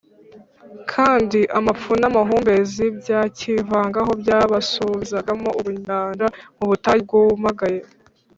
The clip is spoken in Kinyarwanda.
kandi amafu n’amahumbezi byakivagaho byabasubizagamo ubuyanja mu butayu bwumagaye,